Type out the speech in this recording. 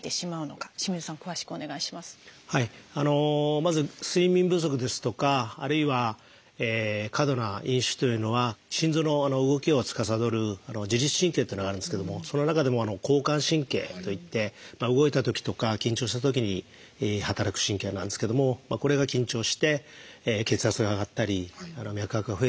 まず睡眠不足ですとかあるいは過度な飲酒というのは心臓の動きをつかさどる自律神経というのがあるんですけどもその中でも交感神経といって動いたときとか緊張したときに働く神経なんですけどもこれが緊張して血圧が上がったり脈拍が増えたりします。